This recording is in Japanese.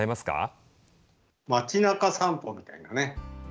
町なか散歩みたいなね